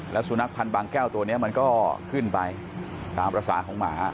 แล้วสุนัขพันธ์บางแก้วตัวนี้มันก็ขึ้นไปตามภาษาของหมา